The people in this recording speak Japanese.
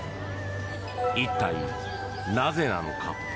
一体なぜなのか。